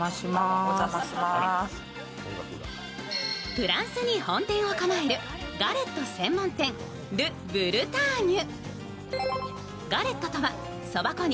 フランスに本店を構えるガレット専門店ルブルターニュ。